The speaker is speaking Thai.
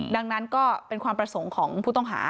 ดังนั้นก็เป็นความประสงค์ของผู้ต้องหา